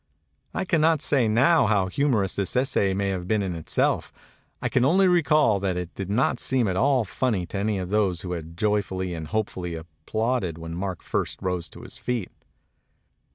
I can not say now how humorous this essay may have been in itself; I can only recall that it did not seem at all funny to any of those who had joy fully and hopefully applauded when Mark first rose to his feet.